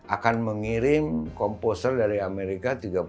akan mengirim komposer dari amerika